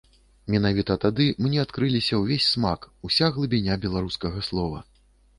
Менавіта тады мне адкрыліся ўвесь смак, уся глыбіня беларускага слова.